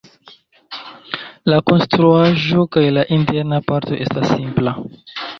La konstruaĵo kaj la interna parto estas simpla.